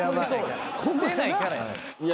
してないからや。